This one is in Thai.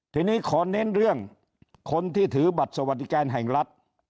ทีนี้ขอเน้นเรื่องคนที่ถือบัตรสวัสดิการแห่งรัฐ